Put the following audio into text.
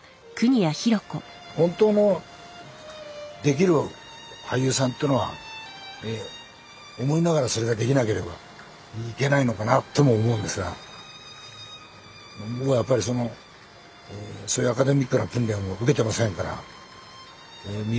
本当のできる俳優さんっていうのは思いながらそれができなければいけないのかなとも思うんですが僕はやっぱりそのそういうアカデミックな訓練を受けてませんから。